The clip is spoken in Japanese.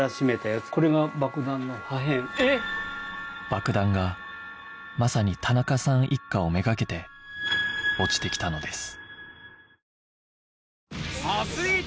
爆弾がまさに田中さん一家を目がけて落ちてきたのです